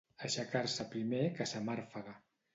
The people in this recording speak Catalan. Aixecar-se primer que sa màrfega.